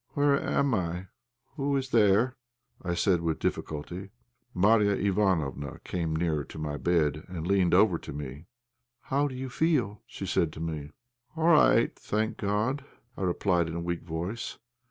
"Where am I? Who is there?" I said, with difficulty. Marya Ivánofna came near to my bed and leaned gently over me. "How do you feel?" she said to me. "All right, thank God!" I replied in a weak voice.